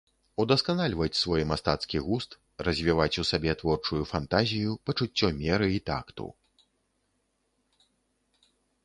Удасканальваць свой мастацкі густ, развіваць у сабе творчую фантазію, пачуццё меры і такту.